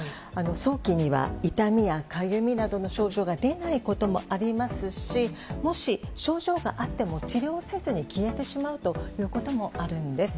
早期には、痛みやかゆみなどの症状が出ないこともありますしもし症状があっても治療せずに消えてしまうということもあるんです。